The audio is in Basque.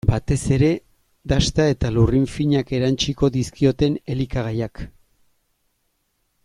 Batez ere dasta eta lurrin finak erantsiko dizkioten elikagaiak.